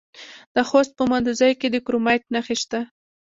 د خوست په مندوزیو کې د کرومایټ نښې شته.